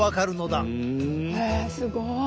えすごい。